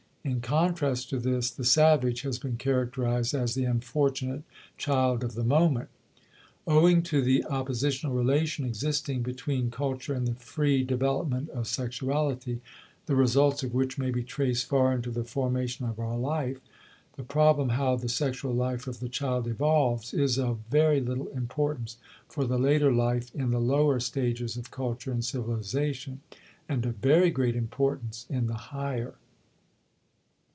In contrast to this the savage has been characterized as "the unfortunate child of the moment." Owing to the oppositional relation existing between culture and the free development of sexuality, the results of which may be traced far into the formation of our life, the problem how the sexual life of the child evolves is of very little importance for the later life in the lower stages of culture and civilization, and of very great importance in the higher.